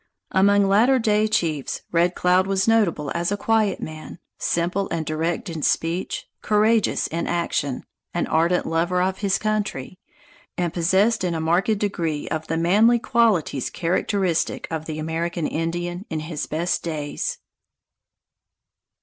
Among latter day chiefs, Red Cloud was notable as a quiet man, simple and direct in speech, courageous in action, an ardent lover of his country, and possessed in a marked degree of the manly qualities characteristic of the American Indian in his best days.